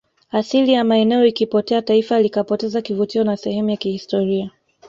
asili ya maeneo ikipotea taifa likapoteza kivutio na sehemu ya kihistoria